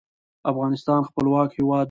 افغانستان خپلواک هیواد دی.